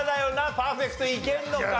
パーフェクトいけるのか？